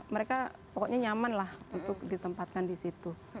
mereka pokoknya nyaman lah untuk ditempatkan di situ